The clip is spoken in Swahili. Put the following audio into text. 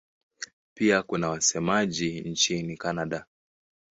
Pia kuna wasemaji nchini Kanada.